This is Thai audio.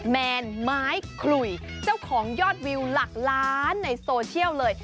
แมนไม้ขลุยเจ้าของยอดวิวหลักล้านในโซเชียลเลย